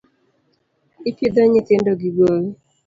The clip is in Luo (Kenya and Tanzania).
I pidho nyithindo gi gowi.